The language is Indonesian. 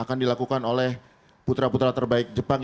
akan dilakukan oleh putra putra terbaik jepang